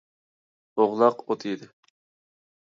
ئوغلاق ئوت يېدى.